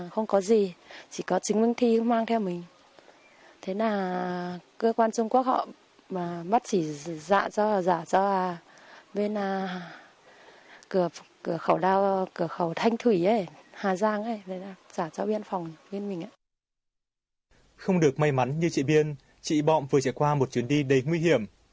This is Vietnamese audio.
không được may mắn như chị biên chị bọm vừa trải qua một chuyến đi đầy nguy hiểm